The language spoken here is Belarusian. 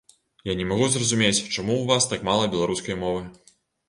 Я не магу зразумець, чаму ў вас так мала беларускай мовы.